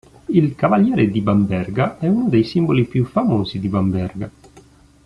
Il Cavaliere di Bamberga è uno dei simboli più famosi di Bamberga.